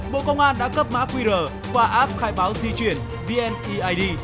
bộ công an đã cấp mã qr qua app khai báo di chuyển vneid